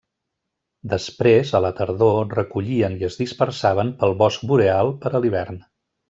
Després, a la tardor, recollien i es dispersaven pel bosc boreal per a l'hivern.